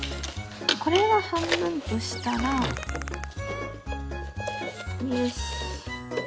これを半分としたらよし。